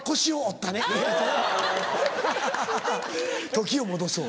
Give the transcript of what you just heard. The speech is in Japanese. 時を戻そう。